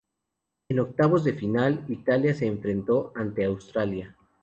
En octavos de final, Italia se enfrentó ante Australia.